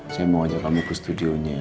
saya mau ajak kamu ke studionya